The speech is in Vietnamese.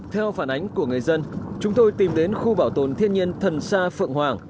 theo phản ánh của người dân chúng tôi tìm đến khu bảo tồn thiên nhiên thần sa phượng hoàng